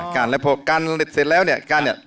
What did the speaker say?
กันแล้วพอกันเสร็จแล้วเนี่ยกันเนี่ย